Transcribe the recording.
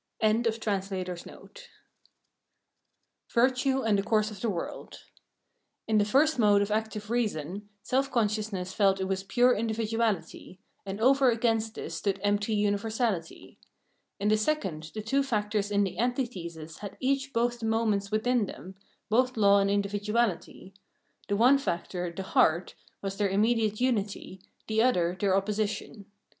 "] 368 Virtue and the Course oe the World In the first mode of active reason, self consciousness felt it was pure individuality ; and over agaiast this stood empty universality. In the second the two factors in the antithesis had each both the moments within them, both law and individuahty ; the one factor, the " heart," was their immediate unity, the other their opposition.